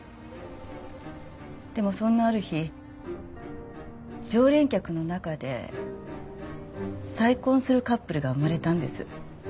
でもそんなある日常連客の中で再婚するカップルが生まれたんです。